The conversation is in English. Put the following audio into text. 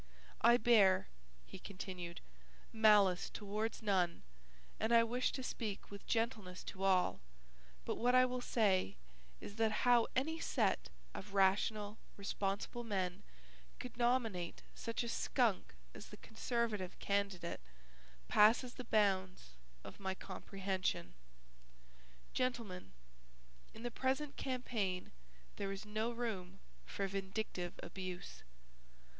I bear," he continued, "malice towards none and I wish to speak with gentleness to all, but what I will say is that how any set of rational responsible men could nominate such a skunk as the Conservative candidate passes the bounds of my comprehension. Gentlemen, in the present campaign there is no room for vindictive abuse.